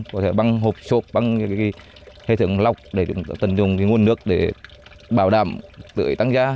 có thể bằng hộp sộp bằng hệ thống lọc để tận dụng nguồn nước để bảo đảm tưới tăng giá